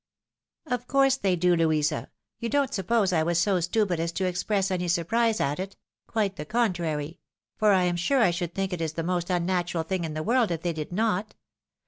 " Of course they do, Louisa. You don't suppose I was so stupid as to express any surprise at it — quite the contrary ; for I am sure I should think it the most unnatural thing in the world if they did not.